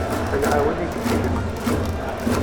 Ad nɛawen igellilen.